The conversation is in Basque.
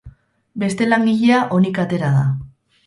Beste langilea onik atera da.